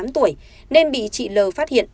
bốn mươi tám tuổi nên bị chị l phát hiện